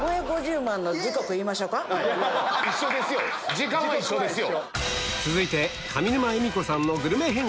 時間は一緒ですよ。